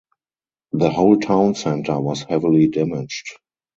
The whole town centre was heavily damaged.